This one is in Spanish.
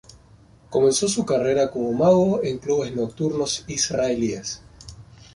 Comenzó su carrera como mago en clubes nocturnos israelíes.